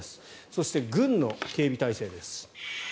そして、軍の警備態勢です。